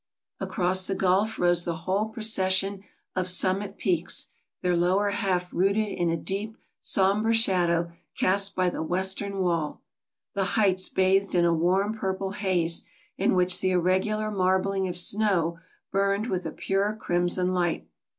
Across the gulf rose the whole procession of summit peaks, their lower half rooted in a deep, somber shadow cast by the western wall, the heights bathed in a warm purple haze, in which the irregular marbling of snow burned with a pure crimson light.